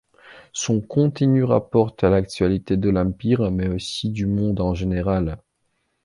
Son contenu rapporte à l'actualité de l'Empire mais aussi du monde en général.